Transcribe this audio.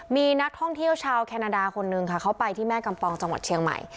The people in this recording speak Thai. มีนักท่องเที่ยวชาวแคนาดาคนนึงค่ะเขาไปที่แม่กำปองจังหวัดเชียงใหม่